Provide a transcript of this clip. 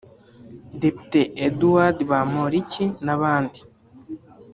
Depite Edouard Bamporiki n’abandi